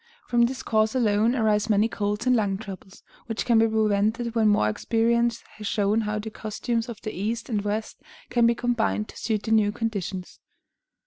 From this cause alone, arise many colds and lung troubles, which can be prevented when more experience has shown how the costumes of the East and West can be combined to suit the new conditions.